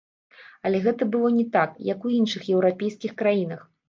Але гэта было не так, як у іншых еўрапейскіх краінах.